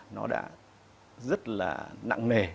nó đã rất là nặng nề